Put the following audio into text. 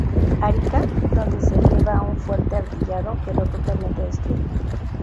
Arica, donde se elevaba un fuerte artillado, quedó totalmente destruida.